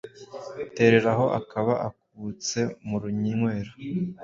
tereraho akaba akubutse mu runywero